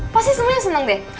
pasti semuanya seneng deh